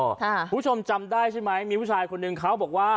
คุณผู้ชมจำได้ใช่ไหมมีผู้ชายคนหนึ่งเขาบอกว่า